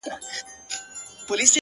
درد زغمي؛